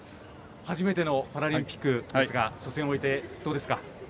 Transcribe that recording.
初めてのパラリンピックですが初戦を終えてどうですか？